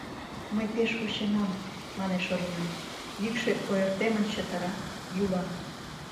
Мый пеш вученам... — манеш Орина, йӱкшӧ ойыртемын чытыра, йӱла.